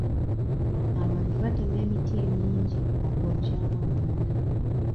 Abantu batema emiti emingi okwokyamu amanda.